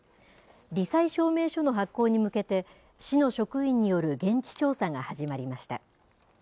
り災証明書の発行に向けて、市の職員による現地調査が始まりました。